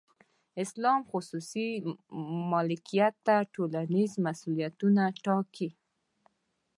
اسلام خصوصي ملکیت ته ټولنیز مسولیتونه ټاکي.